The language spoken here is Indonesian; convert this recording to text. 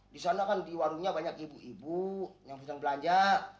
di sana kan di warungnya banyak ibu ibu yang sedang belanja